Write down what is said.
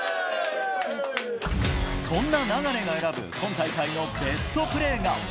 そんな流が選ぶ、今大会のベストプレーが。